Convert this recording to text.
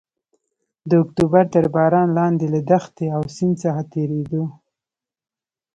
د اکتوبر تر باران لاندې له دښتې او سیند څخه تېرېدو.